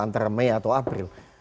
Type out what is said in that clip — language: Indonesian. antara mei atau april